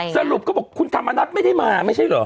สรุปก็บอกคุณธรรมนัฐไม่ได้มาไม่ใช่เหรอ